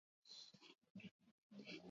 Entzun elkarrizketak atxikituriko audioan!